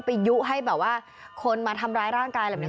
ยุให้แบบว่าคนมาทำร้ายร่างกายแบบนี้